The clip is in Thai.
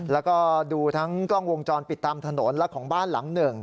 แล้วก็ดูทั้งกล้องวงจรปิดตามถนนและของบ้านหลังหนึ่ง